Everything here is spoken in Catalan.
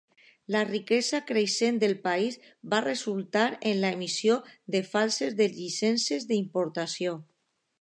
La riquesa creixent del país va resultar en l'emissió de falses de llicències d'importació.